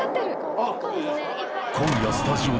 あっ。